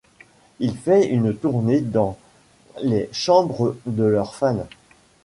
Il fait une tournée dans les chambres de leurs fans.